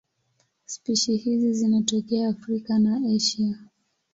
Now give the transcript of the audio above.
Spishi hizi zinatokea Afrika na Asia.